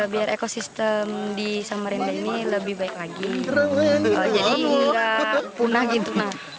biar ekosistem di samarinda ini lebih baik lagi jadi nggak punah gitu